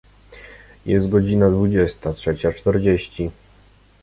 Jest godzina dwudziesta trzecia czterdzieści.